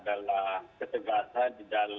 dengan payung hukum pada perwali